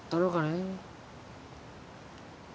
え